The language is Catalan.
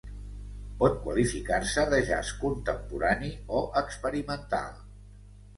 Pot qualificar-se de jazz contemporani o experimental.